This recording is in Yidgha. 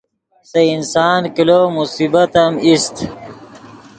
سے انسان کلو مصیبت ام ایست